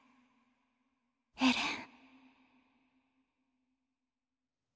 エレン。